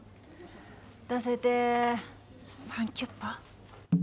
出せてサンキュッパ。